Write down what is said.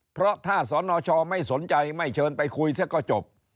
เพราะถ้าสนชไม่สนใจไม่เชิญไปคุยซะก็จบ